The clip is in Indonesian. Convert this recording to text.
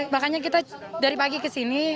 makanya kita dari pagi ke sini